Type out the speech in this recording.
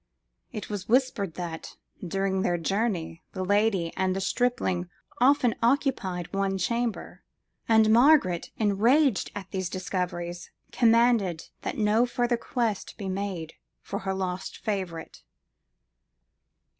It was whispered that, during their journey, the lady and the stripling often occupied one chamber; and Margaret, enraged at these discoveries, commanded that no further quest should be made for her lost favourite.